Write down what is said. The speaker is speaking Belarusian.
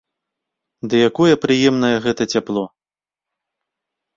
Ды якое прыемнае гэта цяпло!